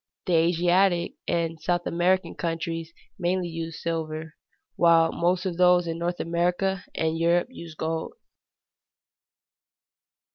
The Asiatic and South American countries mainly use silver, while most of those in North America and Europe use gold.